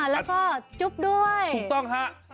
แล้วก็จุ๊บด้วยถูกต้องฮะ